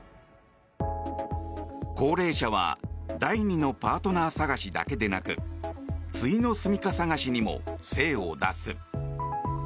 高齢者は第二のパートナー探しだけでなくついの住み家探しにも精を出す。